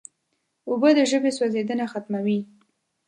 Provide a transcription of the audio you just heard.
اوبه د ژبې سوځیدنه ختموي.